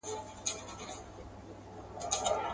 چي ترکوندتون وروسته به ورته وویل سول